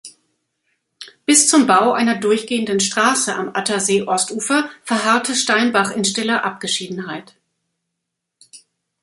Bis zum Bau einer durchgehenden Straße am Attersee-Ostufer verharrte Steinbach in stiller Abgeschiedenheit.